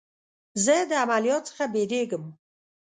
زه د عملیات څخه بیریږم.